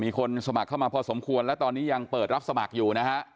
มีคนสมัครเข้ามาพอสมควรและตอนนี้ยังเปิดรับสมัครอยู่นะฮะ